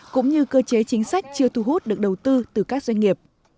cũng như cơ chế chính sách chưa thu hút được đầu tư từ các doanh nghiệp